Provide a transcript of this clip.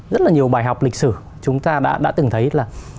rất là nhiều bài học lịch sử chúng ta đã từng thấy là